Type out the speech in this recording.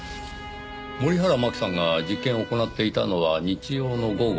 森原真希さんが実験を行っていたのは日曜の午後。